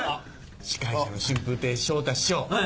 司会者の春風亭昇太師匠。